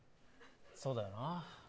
そうだよな。